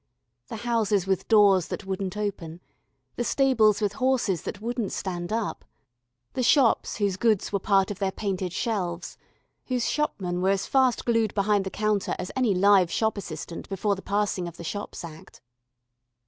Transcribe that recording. The houses with doors that wouldn't open? The stables with horses that wouldn't stand up? The shops whose goods were part of their painted shelves, whose shopmen were as fast glued behind the counter as any live shop assistant before the passing of the Shops Act?